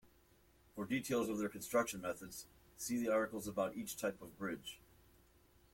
For details of their construction methods, see the articles about each type of bridge.